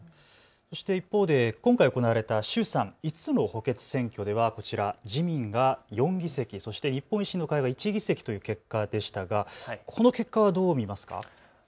一方で今回行われた衆参５つの補欠選挙ではこちら自民が４議席、そして日本維新の会が１議席という結果でしたがこの結果はどう見ますか。